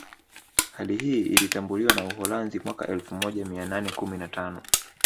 Hali hii ilitambuliwa na Uholanzi mwaka elfumoja mia nane kumi na tano